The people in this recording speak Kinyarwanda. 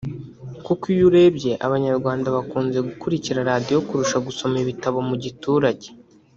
kuko uyo urebye abanyarwanda bakunze gukurikira radio kurusha gusoma ibitabo mu giturage